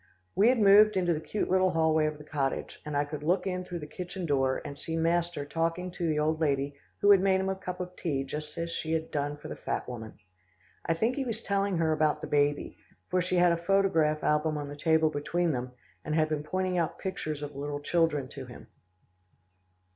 We had moved into the cute little hallway of the cottage, and I could look in through the kitchen door and see master talking to the old lady who had made him a cup of tea just as she had done for the fat woman. I think he was telling her about the baby, for she had a photograph album on the table between them, and had been pointing out pictures of little children to him.